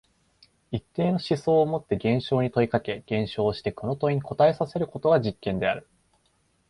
一定の思想をもって現象に問いかけ、現象をしてこの問いに答えさせることが実験である。